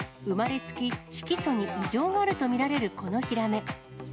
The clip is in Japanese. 生まれつき、色素に異常があると見られるこのヒラメ。